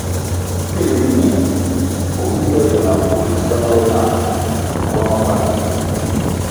Pil riñe o kile be na mbvulʼ sangʼle nah bwang bana.